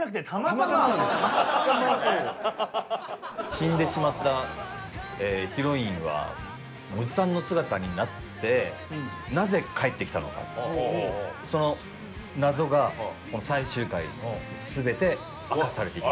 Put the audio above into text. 死んでしまったヒロインはおじさんの姿になってなぜ帰ってきたのかその謎が最終回全て明かされていく。